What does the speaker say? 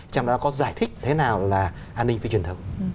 trong đó có giải thích thế nào là an ninh phi truyền thống